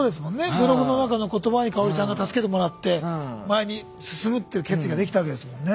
ブログの中の言葉に香さんが助けてもらって前に進むっていう決意ができたわけですもんね。